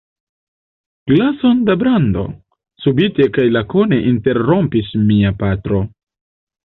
Glason da brando? subite kaj lakone interrompis mia patro.